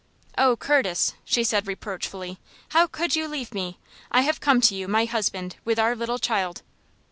"Oh, Curtis," she said, reproachfully. "How could you leave me? I have come to you, my husband, with our little child."